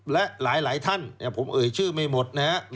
และหลายท่านผมเอ่ยชื่อไม่หมดนะฮะ